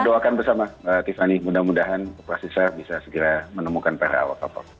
doakan bersama mbak tiffany mudah mudahan operasi sah bisa segera menemukan peralat awal kapal